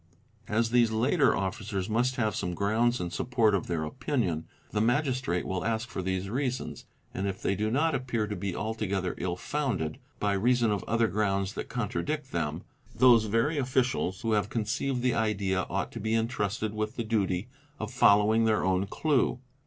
As these latter officers must have some grounds in support of their opinion, the Magistrate will ask for these reasons, and, if they do not : appear to be altogether illfounded by reason of other grounds that con tradict them, those very officials who have conceived the idea ought to be entrusted with the duty of following their own clue.